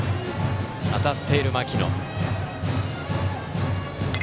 当たっている牧野。